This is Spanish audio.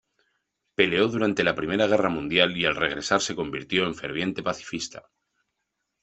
Peleó durante la Primera Guerra Mundial y al regresar se convirtió en ferviente pacifista.